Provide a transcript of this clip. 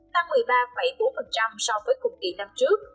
tăng một mươi ba bốn so với cùng kỳ năm trước